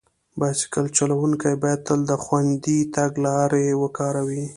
بایسکل چلونکي باید تل د خوندي تګ لارې وکاروي.